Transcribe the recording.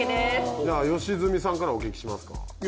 じゃあ良純さんからお聞きしますか？